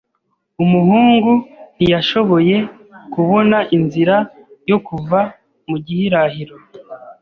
Umuhungu ntiyashoboye kubona inzira yo kuva mu gihirahiro.